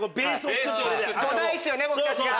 土台っすよね僕たちが！